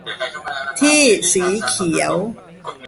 ที่สีเขียว